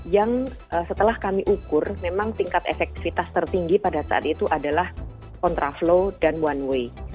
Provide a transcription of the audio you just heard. yang setelah kami ukur memang tingkat efektivitas tertinggi pada saat itu adalah kontraflow dan one way